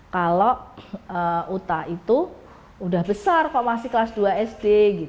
kalau uta itu udah besar kok masih kelas dua sd